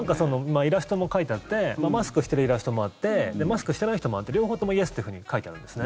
イラストも描いてあってマスクしてるイラストもあってマスクしてない人もあって両方ともイエスっていうふうに書いてあるんですね。